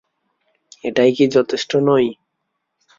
এটাই কি যথেষ্ট নয়?